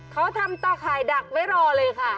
เขาทำตาข่ายดักไว้รอเลยค่ะ